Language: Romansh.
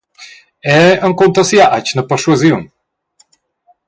Era encunter sia atgna perschuasiun.